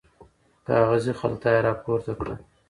کاغذي خلطه یې راپورته کړه.